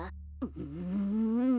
うん。